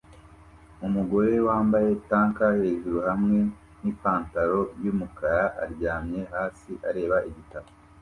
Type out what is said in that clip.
Umugore wambaye tank hejuru hamwe nipantaro yumukara aryamye hasi areba igitabo